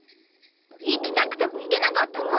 行きたくても行けなったの！